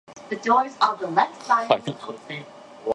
大阪市・舞洲の球団施設